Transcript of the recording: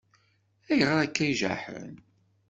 Ayɣer akka i jaḥen?